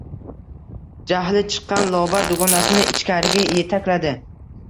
Jahli chiqqan Lobar dugonasini ichkariga etakladi